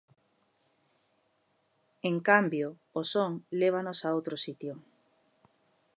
En cambio o son lévanos a outro sitio.